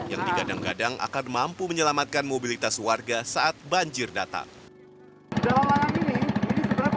yang digadang gadang akan mampu menyelamatkan mobilitas warga saat banjir datang